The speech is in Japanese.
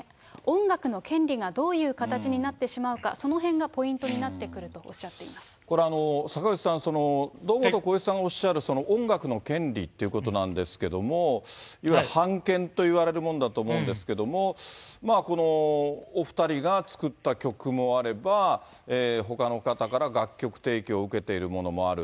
音楽の権利がどういう形になってしまうか、そのへんがポイントにこれ、坂口さん、堂本光一さんがおっしゃる音楽の権利っていうことなんですけれども、版権といわれるものだと思うんですけども、まあ、このお２人が作った曲もあれば、ほかの方から楽曲提供を受けているものもある。